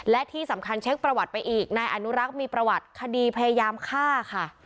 และที่สำคัญเช็คประวัติไปอีกนายอนุรักษ์มีประวัติคดีพยายามฆ่าค่ะ